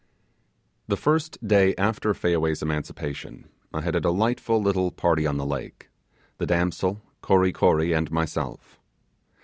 The first day after Fayaway's emancipation, I had a delightful little party on the lake the damsels' Kory Kory, and myself.